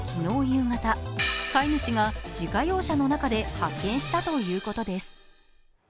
夕方、飼い主が自家用車の中で発見したということです。